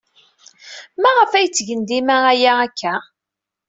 Maɣef ay ttgen dima aya akka?